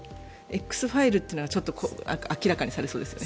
Ｘファイルというのが今後明らかにされそうですよね。